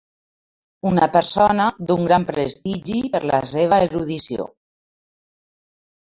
Una persona d'un gran prestigi per la seva erudició.